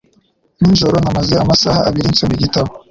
Nijoro namaze amasaha abiri nsoma igitabo.